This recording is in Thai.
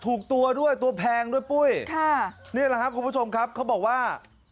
ถูกตัวด้วยตัวแพงด้วยปุ้ยค่ะนี่แหละครับคุณผู้ชมครับเขาบอกว่า